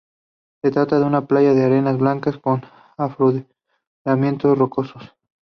Se trata de una playa de arena blanca con afloramientos rocosos.